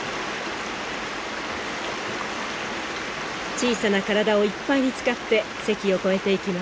小さな体をいっぱいに使ってせきを越えていきます。